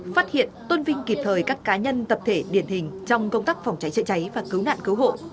phát hiện tôn vinh kịp thời các cá nhân tập thể điển hình trong công tác phòng cháy chữa cháy và cứu nạn cứu hộ